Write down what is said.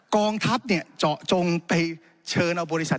ต้องทับจนเจอการไปเชิญอาจบริษัท